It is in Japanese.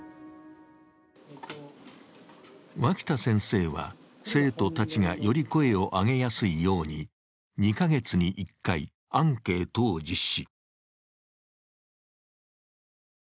脇田先生は、生徒たちがより声を上げやすいように２カ月に１回、アンケートを実施。